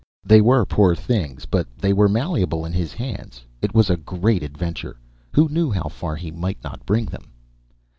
They were poor things, but they were malleable in his hands. It was a great adventure. Who knew how far he might not bring them?